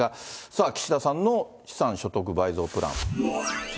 さあ、岸田さんの資産所得倍増プラン。